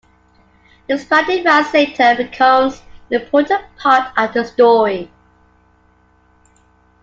This plot device later becomes an important part of the story.